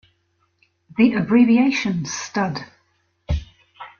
The abbreviation stud.